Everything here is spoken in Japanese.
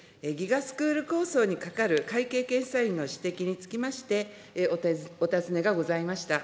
スクール構想にかかる会計検査院の指摘につきまして、お尋ねがございました。